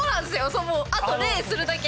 そうあと礼するだけ！